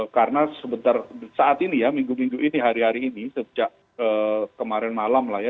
karena sebentar saat ini ya minggu minggu ini hari hari ini sejak kemarin malam lah ya